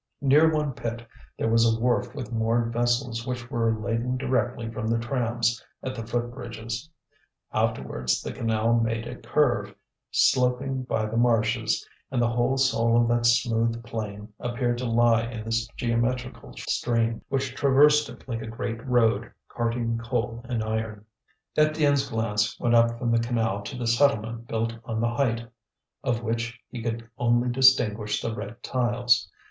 Near one pit there was a wharf with moored vessels which were laden directly from the trams at the foot bridges. Afterwards the canal made a curve, sloping by the marshes; and the whole soul of that smooth plain appeared to lie in this geometrical stream, which traversed it like a great road, carting coal and iron. Étienne's glance went up from the canal to the settlement built on the height, of which he could only distinguish the red tiles.